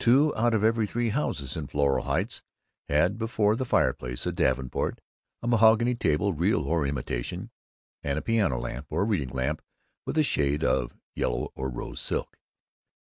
(Two out of every three houses in Floral Heights had before the fireplace a davenport, a mahogany table real or imitation, and a piano lamp or a reading lamp with a shade of yellow or rose silk.)